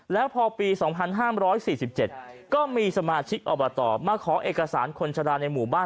แล้วพอปี๒๕๔๗ก็มีสมาชิกอบตมาขอเอกสารคนชะลาในหมู่บ้าน